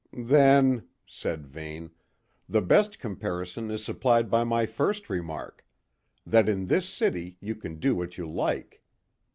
"Then," said Vane, "the best comparison is supplied by my first remark that in this city you can do what you like.